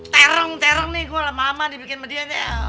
tereng tereng nih gua lama lama dibikin sama dia